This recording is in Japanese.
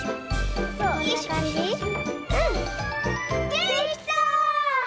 できた！